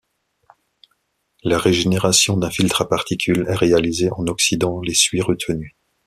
La régénération d'un filtre à particules est réalisée en oxydant les suies retenues.